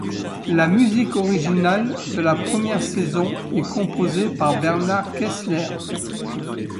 La musique originale de la première saison est composée par Bernard Kesslair.